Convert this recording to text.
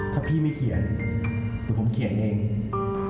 ถ้าพี่ไม่เขียนเดี๋ยวผมเขียนเอง